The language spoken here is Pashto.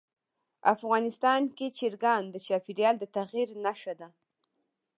افغانستان کې چرګان د چاپېریال د تغیر نښه ده.